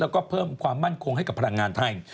แล้วก็เพิ่มความมั่นคงให้กับพลังงานไทย